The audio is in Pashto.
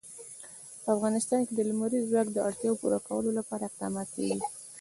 په افغانستان کې د لمریز ځواک د اړتیاوو پوره کولو لپاره اقدامات کېږي.